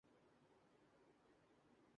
مظہر الاسلام کے ہاں سرئیلی تاثرات موجود ہیں